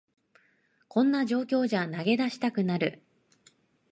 こんな状況じゃ投げ出したくなる